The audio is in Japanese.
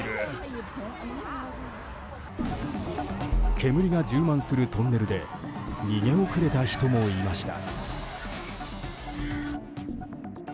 煙が充満するトンネルで逃げ遅れた人もいました。